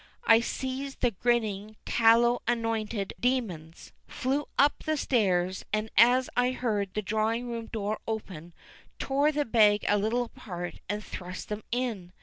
I seized the grinning, tallow anointed demons, flew up the stairs, and, as I heard the drawing room door open, tore the bag a little apart, and thrust them in.